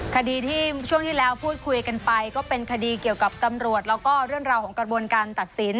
คดีที่ช่วงที่แล้วพูดคุยกันไปก็เป็นคดีเกี่ยวกับตำรวจแล้วก็เรื่องราวของกระบวนการตัดสิน